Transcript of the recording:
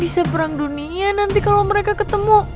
bisa perang dunia nanti kalau mereka ketemu